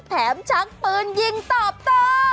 แถมชั้นปืนยิงตอบต่อ